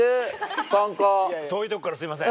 遠い所からすみません。